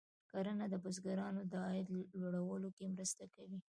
کرنه د بزګرانو د عاید لوړولو کې مرسته کوي.